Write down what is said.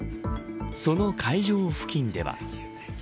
その会場付近では。